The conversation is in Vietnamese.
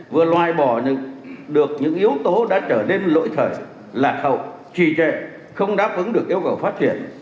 vừa loại bỏ được những yếu tố đã trở nên lỗi thời lạc hậu trì trệ không đáp ứng được yêu cầu phát triển